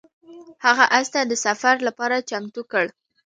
هغه اس ته د سفر لپاره چمتو کړ.